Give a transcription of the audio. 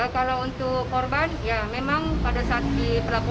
kalau untuk korban ya memang pada saat diperlakukan